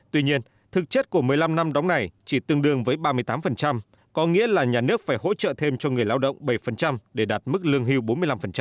tuy nhiên thực chất của một mươi năm năm đóng này chỉ tương đương với ba mươi tám có nghĩa là nhà nước phải hỗ trợ thêm cho người lao động bảy để đạt mức lương hưu bốn mươi năm